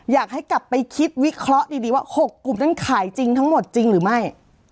อยากให้กลับไปคิดวิเคราะห์ดีว่า๖กลุ่มนั้นขายจริงทั้งหมดจริงหรือไม่